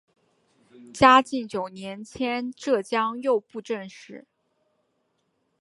嘉靖九年迁浙江右布政使。